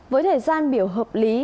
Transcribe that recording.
với thời gian biểu hợp lý